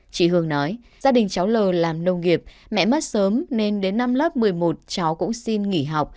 chị hương nói gia đình cháu l làm nông nghiệp mẹ mất sớm nên đến năm lớp một mươi một cháu cũng xin nghỉ học